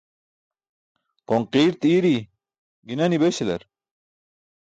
Qonqirt i̇i̇ri, gi̇nani̇ beśalar?